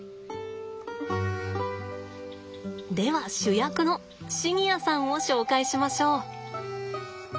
では主役のシニアさんを紹介しましょう。